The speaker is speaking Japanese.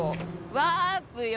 ワープよ。